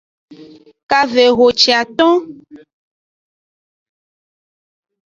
Kavehociaton.